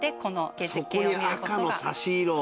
そこに赤の差し色。